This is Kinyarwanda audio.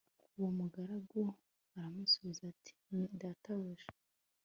uwo mugaragu aramusubiza ati ni databuja